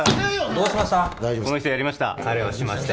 どうしました？